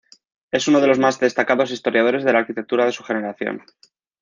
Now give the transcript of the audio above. Es uno de los más destacados historiadores de la arquitectura de su generación.